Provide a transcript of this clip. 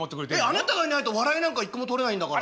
あなたがいないと笑いなんか一個も取れないんだから。